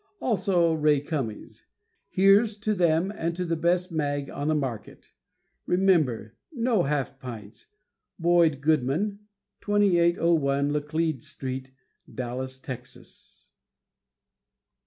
Also Ray Cummings. Here's to them and to the best mag on the market. Remember, no half pints. Boyd Goodman, 2801 Laclede St., Dallas, Texas.